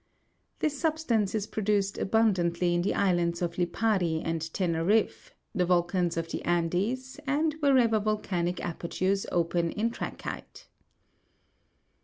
This substance is produced abundantly in the islands of Lipari and Teneriffe, the volcans of the Andes, and wherever volcanic apertures open in tra'chyte.